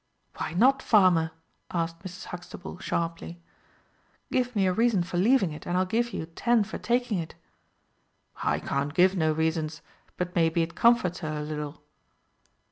"Why not, farmer?" asked Mrs. Huxtable, sharply. "Give me a reason for leaving it, and I'll give you ten for taking it." "I can't give no reasons. But maybe it comforts her a little."